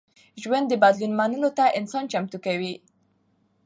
ژوند د بدلون منلو ته انسان چمتو کوي.